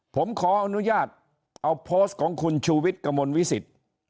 ผมขออนุญาตเอาโพสต์ของคุณชูวิทย์กระมวลวิสิต